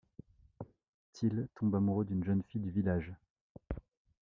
Till tombe amoureux d'une jeune fille du village.